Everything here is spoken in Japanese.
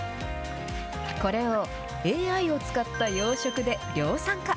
これを、ＡＩを使った養殖で、量産化。